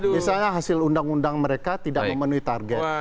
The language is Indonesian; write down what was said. misalnya hasil undang undang mereka tidak memenuhi target